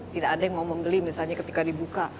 tidak ada yang mau membeli misalnya ketika dibuka